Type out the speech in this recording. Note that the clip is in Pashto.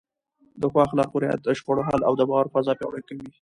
د ښو اخلاقو رعایت د شخړو حل او د باور فضا پیاوړې کوي.